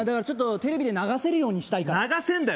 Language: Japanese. テレビで流せるようにしたいから流せんだよ